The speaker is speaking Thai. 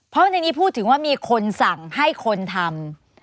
เพราะในนี้พูดถึงว่ามีคนสั่งให้คนทำ